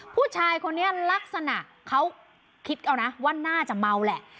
ผู้ชายคนนี้ลักษณะเขาคิดเอานะว่าน่าจะเมาแหละ